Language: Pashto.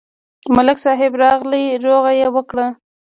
ملک صاحب راغی، روغه یې وکړه.